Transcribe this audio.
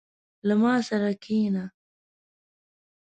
• له ما سره کښېنه.